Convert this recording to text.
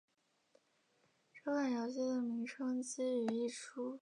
这款游戏的名称基于一出。